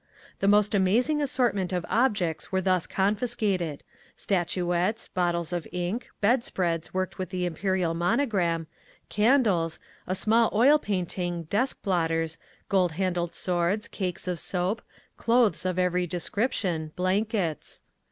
The most amazing assortment of objects were thus confiscated; statuettes, bottles of ink, bed spreads worked with the Imperial monogram, candles, a small oil painting, desk blotters, gold handled swords, cakes of soap, clothes of every description, blankets.